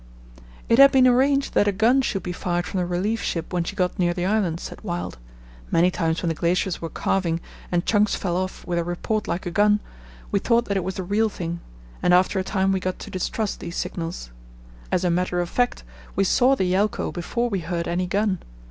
"It had been arranged that a gun should be fired from the relief ship when she got near the island," said Wild. "Many times when the glaciers were 'calving,' and chunks fell off with a report like a gun, we thought that it was the real thing, and after a time we got to distrust these signals. As a matter of fact, we saw the Yelcho before we heard any gun.